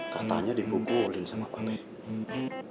katanya dibukulin sama panggung nih